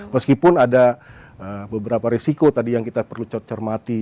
meskipun ada beberapa risiko tadi yang kita perlu cermati